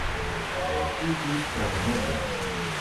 А яшчэ ёсць прагнозы.